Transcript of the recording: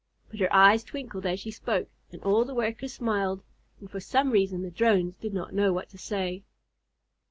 But her eyes twinkled as she spoke, and all the Workers smiled, and for some reason the Drones did not know what to say.